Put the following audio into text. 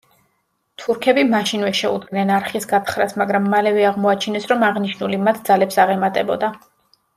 თურქები მაშინვე შეუდგნენ არხის გათხრას, მაგრამ მალევე აღმოაჩინეს რომ აღნიშნული მათ ძალებს აღემატებოდა.